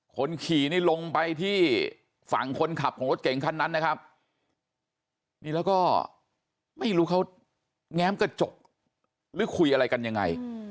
คนขี่นี่ลงไปที่ฝั่งคนขับของรถเก่งคันนั้นนะครับนี่แล้วก็ไม่รู้เขาแง้มกระจกหรือคุยอะไรกันยังไง